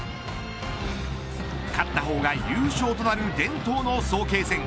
勝った方が優勝となる伝統の早慶戦。